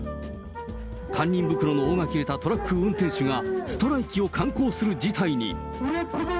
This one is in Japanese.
堪忍袋の緒が切れたトラック運転手がストライキを敢行する事態に。